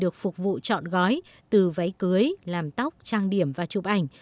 được phục vụ chọn gói từ váy cưới làm tóc trang điểm và chụp ảnh